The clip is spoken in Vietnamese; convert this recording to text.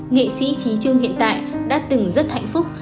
nghệ sĩ trí trung hiện tại đã từng rất hạnh phúc